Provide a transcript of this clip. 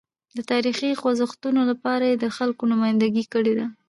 د تاریخي خوځښتونو لپاره یې د خلکو نمایندګي کړې ده.